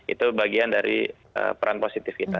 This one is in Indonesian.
itu bagian dari peran positif kita